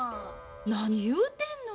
何言うてんの。